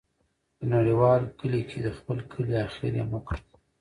په نړیوال کلي کې د خپل کلی ، اخر یې مه کړې.